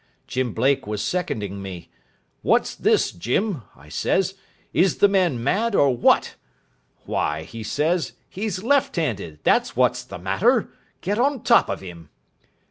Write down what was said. Jim Blake was seconding me. 'What's this, Jim?' I says, 'is the man mad, or what?' 'Why,' he says, 'he's left handed, that's what's the matter. Get on top of him.'